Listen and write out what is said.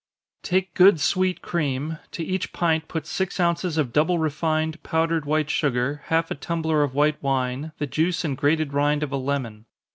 _ Take good sweet cream to each pint put six ounces of double refined, powdered white sugar, half a tumbler of white wine, the juice and grated rind of a lemon.